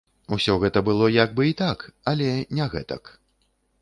Усё гэта было як бы і так, але не гэтак.